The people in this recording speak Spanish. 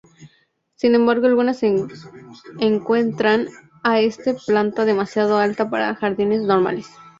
Sin embargo algunas encuentran a esta planta demasiado alta para jardines normales.